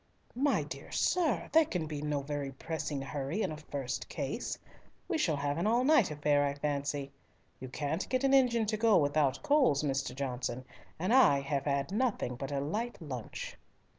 "My dear sir, there can be no very pressing hurry in a first case. We shall have an all night affair, I fancy. You can't get an engine to go without coals, Mr. Johnson, and I have had nothing but a light lunch."